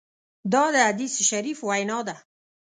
دا د حدیث شریف وینا ده.